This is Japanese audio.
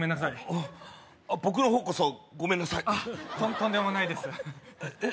あ僕の方こそごめんなさいとんでもないですえ